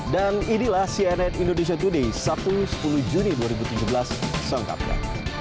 dan inilah cnn indonesia today satu sepuluh dua ribu tujuh belas sangkapnya